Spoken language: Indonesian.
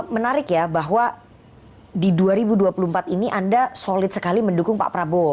menarik ya bahwa di dua ribu dua puluh empat ini anda solid sekali mendukung pak prabowo